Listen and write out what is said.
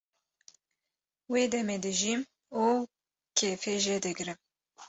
wê demê dijîm û kêfê jê digrim